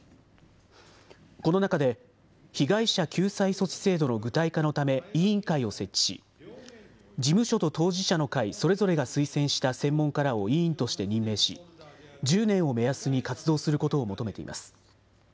この中で、被害者救済措置制度の具体化のため委員会を設置し、事務所と当事者の会それぞれが推薦した専門家らを委員として任命し、１０年を目安に活動することを求めています。